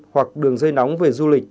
hoặc đường dây nóng về du lịch